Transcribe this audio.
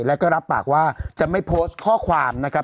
แล้วก็รับปากว่าจะไม่โพสต์ข้อความนะครับ